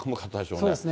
そうですね。